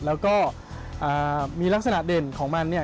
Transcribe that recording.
แล้วก็มีลักษณะเด่นของมันเนี่ย